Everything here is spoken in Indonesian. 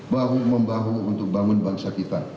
bahu membahu untuk bangun bangsa kita